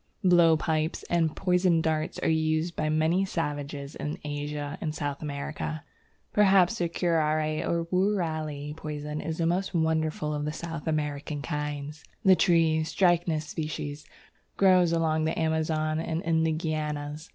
Blowpipes and poisoned darts are used by many savages in Asia and South America. Perhaps the Curare or Woorali poison is the most wonderful of the South American kinds. The tree, Strychnos sp., grows along the Amazon and in the Guianas.